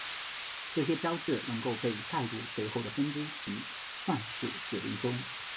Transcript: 这些标志能够被带入随后的分支及算术指令中。